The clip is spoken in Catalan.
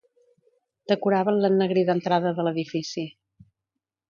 Decoraven l’ennegrida entrada de l’edifici.